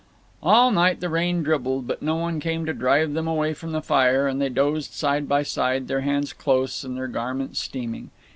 All night the rain dribbled, but no one came to drive them away from the fire, and they dozed side by side, their hands close and their garments steaming.